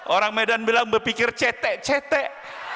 orang medan bilang berpikir cetek cetek